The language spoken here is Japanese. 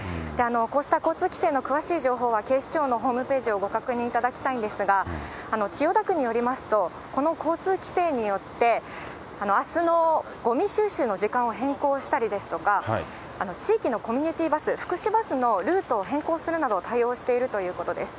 こうした交通規制の詳しい情報は警視庁のホームページをご確認いただきたいんですが、千代田区によりますと、この交通規制によって、あすのごみ収集の時間を変更したり、地域のコミュニティバス、福祉バスのルートを変更するなど、対応しているということです。